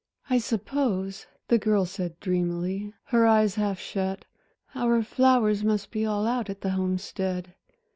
"I suppose," the girl said dreamily, her eyes half shut, "our flowers must be all out at the Homestead.